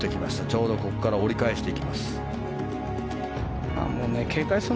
ちょうどここから折り返していきます。